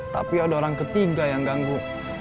tapi ada orang ketiga yang ganggu